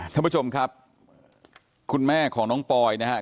ท่านผู้ชมครับคุณแม่ของน้องปอยนะครับ